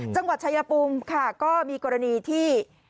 จังหวัดชายพุงก็มีกรณีที่